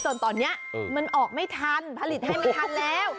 จนตอนนี้มันออกไม่ทันผลิตให้ไม่ทันแล้ว